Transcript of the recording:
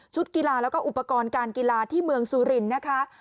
กีฬาแล้วก็อุปกรณ์การกีฬาที่เมืองสุรินทร์นะคะ